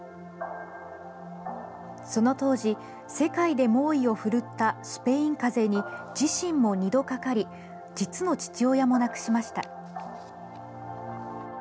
その当時、世界で猛威を振るったスペインかぜに自身も２度かかり実の父親も亡くしました。